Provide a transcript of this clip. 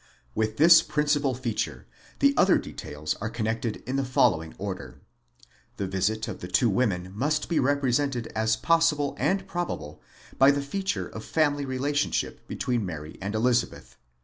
With this principal feature the other details are connected in the following order :—The visit of the two women must be represented as possible and probable by the feature of family relationship between Mary and Elizabeth (v.